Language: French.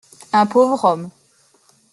Un pauvre homme.